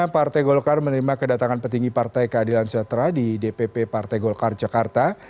partai golkar menerima kedatangan petinggi partai keadilan sejahtera di dpp partai golkar jakarta